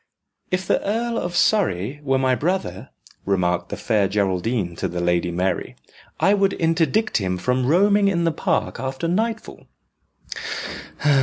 "If the Earl of Surrey were my brother," remarked the Fair Geraldine to the Lady Mary, "I would interdict him from roaming in the park after nightfall."